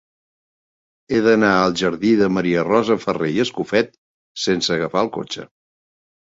He d'anar al jardí de Maria Rosa Farré i Escofet sense agafar el cotxe.